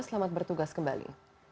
selamat bertugas kembali